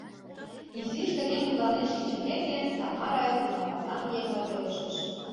Изиш тыге мутланен шинчымеке, Тамара винаматан еҥла пелештыш: